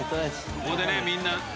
ここでねみんな。